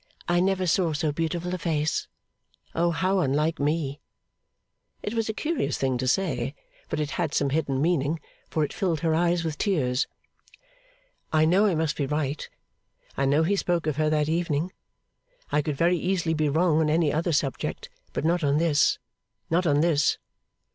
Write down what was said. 'I never saw so beautiful a face. O how unlike me!' It was a curious thing to say, but it had some hidden meaning, for it filled her eyes with tears. 'I know I must be right. I know he spoke of her that evening. I could very easily be wrong on any other subject, but not on this, not on this!